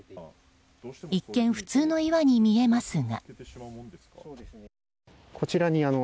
一見、普通の岩に見えますが。